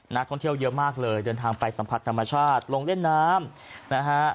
นักท่องเที่ยวเยอะมากเลยเดินทางไปสัมผัสธรรมชาติลงเล่นน้ำนะฮะ